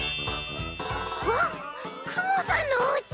わっくもさんのおうち！